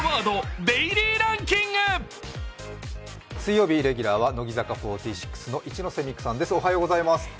水曜レギュラーは乃木坂４６の一ノ瀬美空さんです。